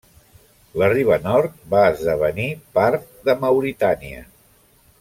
La riba nord va esdevenir part de Mauritània.